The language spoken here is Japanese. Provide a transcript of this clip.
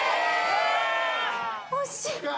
惜しい！